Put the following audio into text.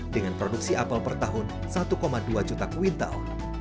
dengan produksi apel per tahun satu dua juta kuintal